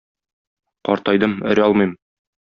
Картайдым, өрә алмыйм.